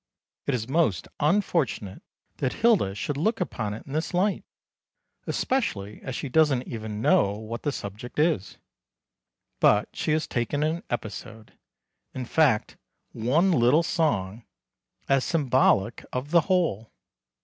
It is most unfortunate that Hilda should look upon it in this light, especially as she doesn't even know what the subject is; but she has taken an episode in fact, one little song as symbolic of the whole.